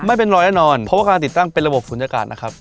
ไม่เป็นรอยแน่นอนเพราะว่าการติดตั้งเป็นระบบศูนยากาศนะครับ